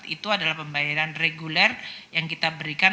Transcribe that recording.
itu adalah pembayaran reguler yang kita berikan